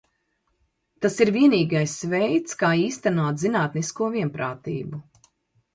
Tas ir vienīgais veids, kā īstenot zinātnisko vienprātību.